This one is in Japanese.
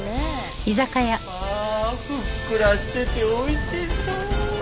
ああふっくらしてておいしそう！